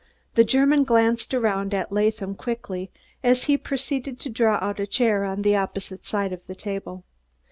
The German glanced around at Latham quickly as he proceeded to draw out a chair on the opposite side of the table.